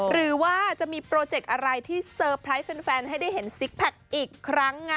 หรือว่าจะมีโปรเจกต์อะไรที่เซอร์ไพรส์แฟนให้ได้เห็นซิกแพคอีกครั้ง